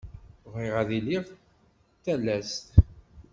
Bɣiɣ ad iliɣ d talast.